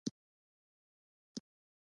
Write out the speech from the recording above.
ایا زه باید ماشوم ته اوسپنه ورکړم؟